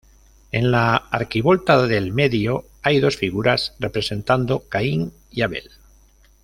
En la arquivolta del medio, hay dos figuras representando Caín y Abel.